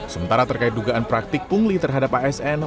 sementara terkait dugaan praktik pungli terhadap asn